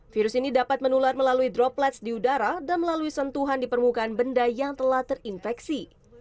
virus ini dapat menular melalui droplets di udara dan melalui sentuhan di permukaan benda yang telah terinfeksi